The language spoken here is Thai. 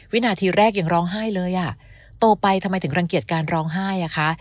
วินาทีแรกยังร้องไห้เลยอ่ะโตไปทำไมถึงรังเกียจการร้องไห้อะคะ